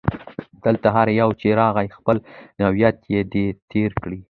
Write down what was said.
دلته هر یو چي راغلی خپل نوبت یې دی تېر کړی